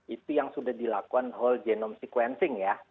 itu yang sudah dilakukan whole genome sequencing ya